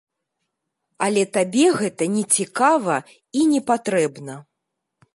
Але табе гэта нецікава і непатрэбна.